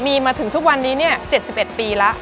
มีมาถึงทุกวันนี้๗๑ปีแล้ว